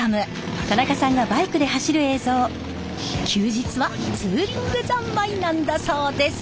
休日はツーリング三昧なんだそうです！